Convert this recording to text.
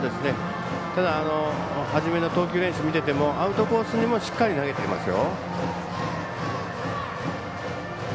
ただ初めの投球練習見ててもアウトコースにもしっかり投げていますよ。